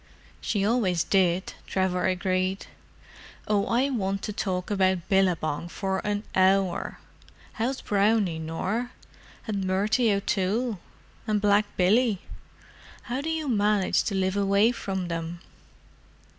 "She always did," Trevor agreed. "Oh, I want to talk about Billabong for an hour! How's Brownie, Nor? and Murty O'Toole? and Black Billy? How do you manage to live away from them?"